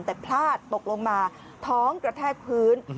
แต่พลาดตกลงมาท้องกระแทกพื้น